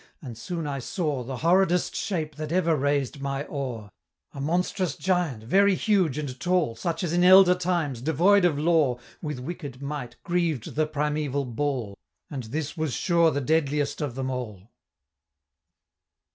and soon I saw The horridest shape that ever raised my awe, A monstrous giant, very huge and tall, Such as in elder times, devoid of law, With wicked might grieved the primeval ball, And this was sure the deadliest of them all!"